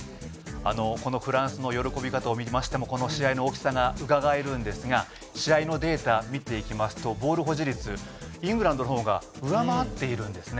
このフランスの喜び方を見ましても、この試合の大きさがうかがえるんですが試合のデータ見ていきますとボール保持率、イングランドのほうが上回っているんですね。